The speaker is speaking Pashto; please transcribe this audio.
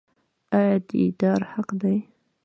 آیا دیدار حق دی؟